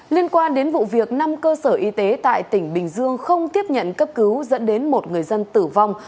liên quan đến vụ việc năm cơ sở y tế tại tỉnh bình dương không tiếp nhận cấp cứu dẫn đến một người dân tử vong